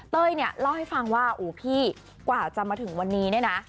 เต้ยเนี่ยเล่าให้ฟังว่าอู๋พี่กว่าจะมาถึงวันนี้เนี่ยนะ